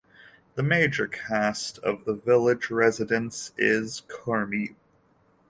The major cast of the village residents is Kurmi.